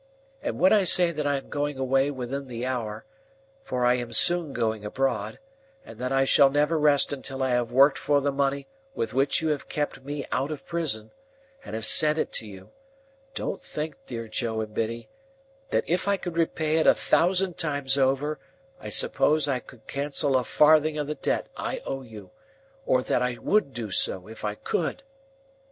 And when I say that I am going away within the hour, for I am soon going abroad, and that I shall never rest until I have worked for the money with which you have kept me out of prison, and have sent it to you, don't think, dear Joe and Biddy, that if I could repay it a thousand times over, I suppose I could cancel a farthing of the debt I owe you, or that I would do so if I could!"